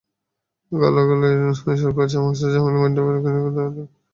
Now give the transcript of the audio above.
গানগুলির সুর করেছেন মকসুদ জামিল মিন্টু, মিল্টন খন্দকার, মান্নান মোহাম্মদ, বিনোদন রায়।